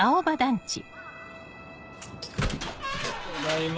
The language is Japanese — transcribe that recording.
ただいま。